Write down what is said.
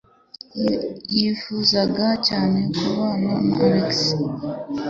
Yifuzaga cyane kubana na Alex.